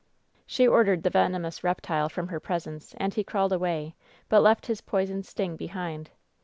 "She ordered the venomous reptile from her presence, and he crawled away, but left his poisoned sting behind.